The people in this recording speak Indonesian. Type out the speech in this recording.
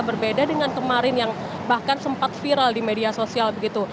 berbeda dengan kemarin yang bahkan sempat viral di media sosial begitu